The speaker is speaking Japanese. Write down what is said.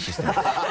ハハハ！